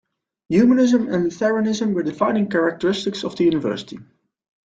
Humanism and Lutheranism were defining characteristics of the university.